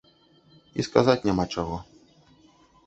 І сказаць няма чаго.